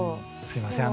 すいません。